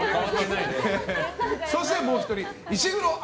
そしてもう１人石黒彩